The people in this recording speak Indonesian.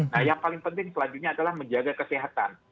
nah yang paling penting selanjutnya adalah menjaga kesehatan